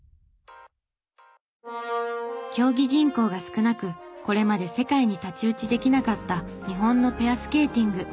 競技人口が少なくこれまで世界に太刀打ちできなかった日本のペアスケーティング。